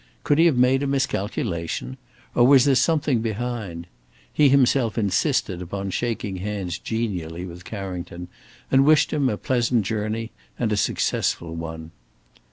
Could he have made a miscalculation? or was there something behind? He himself insisted upon shaking hands genially with Carrington and wished him a pleasant journey and a successful one.